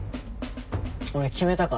俺決めたから。